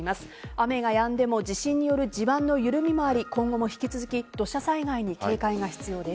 雨がやんでも地震による地盤の緩みもあり今後も引き続き土砂災害に警戒が必要です。